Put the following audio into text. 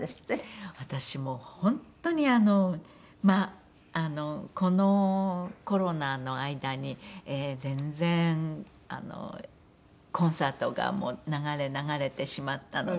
私もう本当にあのまあこのコロナの間に全然コンサートがもう流れ流れてしまったので。